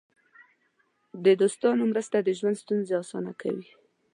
د دوستانو مرسته د ژوند ستونزې اسانه کوي.